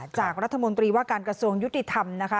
จากรัฐมนตรีว่าการกระทรวงยุติธรรมนะคะ